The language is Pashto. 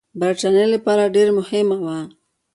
برټانیې لپاره ډېر مهم وه.